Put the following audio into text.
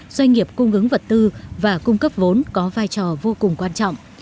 doanh nghiệp cung ứng vật tư và cung cấp vốn có vai trò vô cùng quan trọng